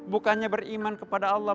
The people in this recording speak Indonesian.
bukannya beriman kepada allah